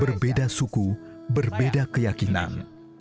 berbeda suku berbeda keyakinan